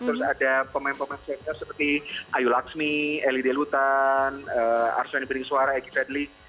terus ada pemain pemain seksual seperti ayu laxmi elie de lutten arswani beringsuara egy pedli